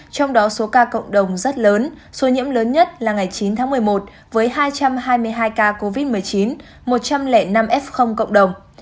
trong đó số ca cộng đồng rất lớn số nhiễm lớn nhất là ngày chín tháng một mươi một với hai trăm hai mươi hai ca covid một mươi chín một trăm linh năm f cộng đồng